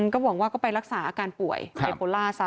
ก็หวังว่าก็ไปรักษาอาการป่วยไบโพล่าซะ